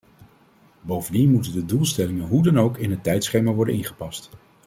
Bovendien moeten de doelstellingen hoe dan ook in het tijdschema worden ingepast.